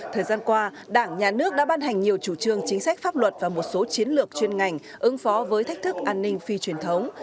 thời gian qua đảng nhà nước đã ban hành nhiều chủ trương chính sách pháp luật và một số chiến lược chuyên ngành ứng phó với thách thức an ninh phi truyền thống